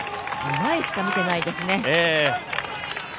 前しか見ていないですね。